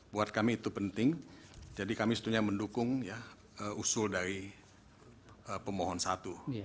buat kami itu penting jadi kami sebetulnya mendukung usul dari pemohon satu